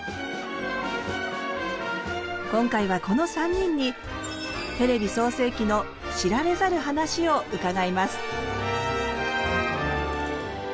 今回はこの３人にテレビ創成期の知られざる話を伺います。